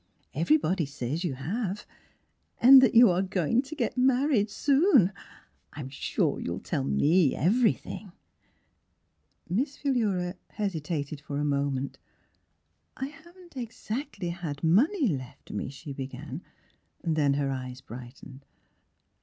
" Everybody says you have; and that you are going to get married soon. Fm sure you'll tell ?}ie everything !" Miss Philura hesitated for a moment. I haven't exactly 46 Miss Philura had money left me," she be gan ; then her eyes brightened.